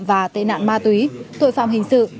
và tệ nạn ma túy tội phạm hình sự